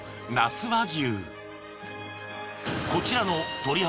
［こちらの鶏